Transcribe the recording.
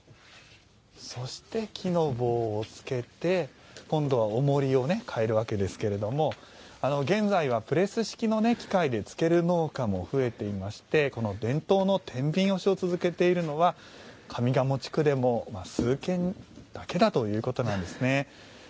そして、木の棒をつけて今度はおもりを変えるわけですが現在はプレス式の機械で漬ける農家も増えていまして、伝統の天秤押しを続けているのは上賀茂地区でも数軒だけだということなんですね。